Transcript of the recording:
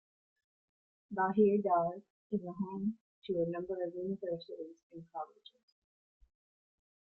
Bahir Dar is home to a number of universities and colleges.